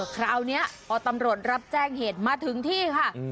คราวนี้พอตำรวจรับแจ้งเหตุมาถึงที่ค่ะ